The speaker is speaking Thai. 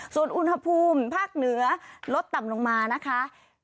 ส่วนอุณหภูมิภาคเหนือลดต่ำลงมานะคะ